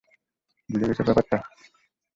বুঝা গেছে ব্যাপারটা?